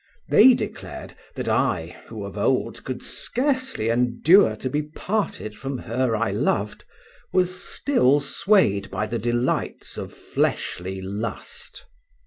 They declared that I, who of old could scarcely endure to be parted from her I loved, was still swayed by the delights of fleshly lust.